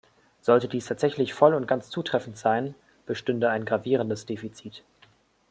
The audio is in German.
Sollte dies tatsächlich voll und ganz zutreffend sein, bestünde ein gravierendes Defizit.